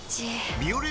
「ビオレ」